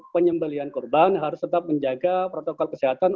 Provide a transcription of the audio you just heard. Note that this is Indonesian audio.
penyembelian korban harus tetap menjaga protokol kesehatan